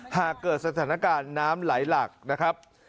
หากเกิดสถานการณ์น้ำไหลหลักนะครับ